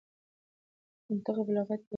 منطق او بلاغت يې د پوهې د پياوړتيا لپاره ولوستل.